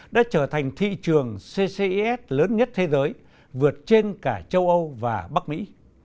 đã trở thành thị trường ccis lớn nhất thế giới vượt trên cả châu âu và bắc mỹ